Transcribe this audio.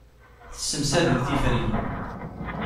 Tessemsadem tiferyin.